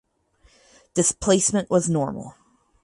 Displacement was normal.